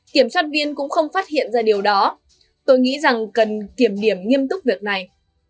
kiểm soát viên cũng không phát hiện ra điều đó tôi nghĩ rằng cần kiểm điểm nghiêm túc việc này